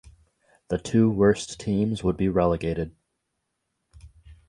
The two worst teams would be relegated.